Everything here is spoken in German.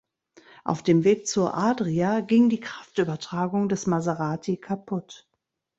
Auf dem Weg zur Adria ging die Kraftübertragung des Maserati kaputt.